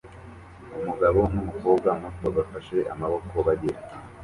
Umugabo numukobwa muto bafashe amaboko bagenda